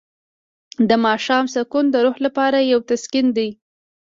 د ماښام سکون د روح لپاره یو تسکین دی.